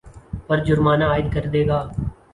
پر جرمانہ عاید کردے گا